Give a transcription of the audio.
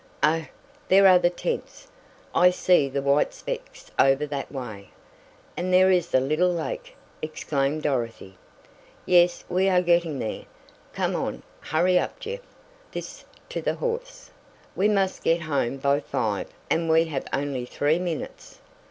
"Oh, there are the tents! I see the white specks over that way. And there is the little lake!" exclaimed Dorothy. "Yes, we are getting there. Come on, hurry up Jeff" (this to the horse), "we must get home by five and we have only three minutes.